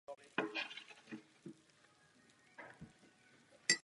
Samice byla umístěna do expozice v noční části pavilonu Indonéská džungle.